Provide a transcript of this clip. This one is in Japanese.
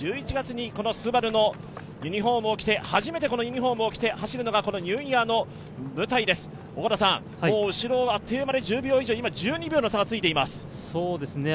１１月にＳＵＢＡＲＵのユニフォームを着て、初めてこのユニフォームを着て走るのがニューイヤーの舞台です、もう後ろあっという間に１２秒の差がついています。